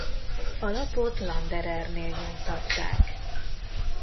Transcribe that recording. A lapot Landerernél nyomtatták.